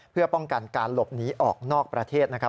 เพื่อป้องกันการหลบหนีออกนอกประเทศ